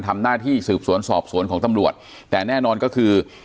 ทำหน้าที่สืบสวนสอบสวนของตำรวจแต่แน่นอนก็คือ